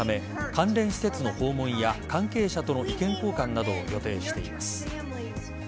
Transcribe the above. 関連施設の訪問や関係者との意見交換などを予定しています。